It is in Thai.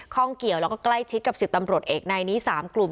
งเกี่ยวแล้วก็ใกล้ชิดกับ๑๐ตำรวจเอกในนี้๓กลุ่ม